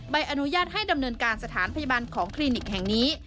ใบอนุญาตให้ดำเนินการสถานพยาบาลของคลินิกแห่งนี้